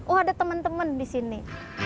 oh ada teman teman di sini